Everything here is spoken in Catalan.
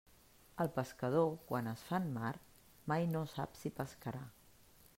El pescador quan es fa en mar mai no sap si pescarà.